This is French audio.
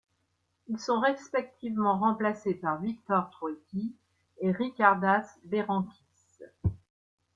Ils sont respectivement remplacés par Viktor Troicki et Ričardas Berankis.